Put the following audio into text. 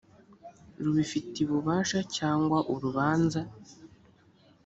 rubifitiye ububasha cyangwa urubanza